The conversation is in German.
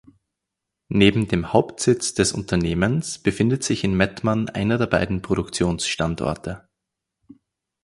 Neben dem Hauptsitz des Unternehmens befindet sich in Mettmann einer der beiden Produktionsstandorte.